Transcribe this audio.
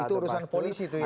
itu urusan polisi tuh ya